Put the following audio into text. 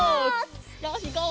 よしいこう！